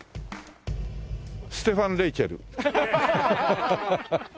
ステファン・レイチェル。